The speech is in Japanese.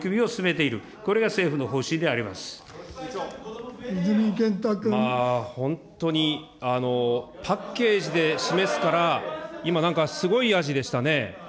まあ本当に、パッケージで示すから、今なんか、すごいヤジでしたね。